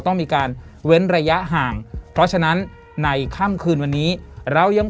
ต้องมีการเว้นระยะห่างเพราะฉะนั้นในค่ำคืนวันนี้เรายัง